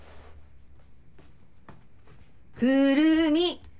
くるみ！